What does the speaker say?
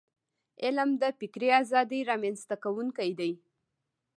علم د فکري ازادی رامنځته کونکی دی.